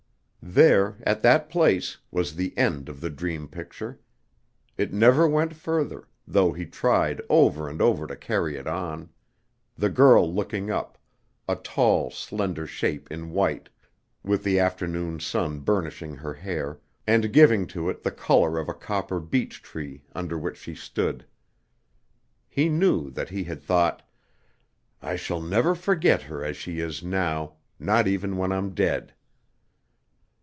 There, at that place, was the end of the dream picture; it never went further, though he tried over and over to carry it on; the girl looking up, a tall slender shape in white, with the afternoon sun burnishing her hair, and giving to it the color of a copper beech tree under which she stood. He knew that he had thought, "I shall never forget her as she is now, not even when I'm dead."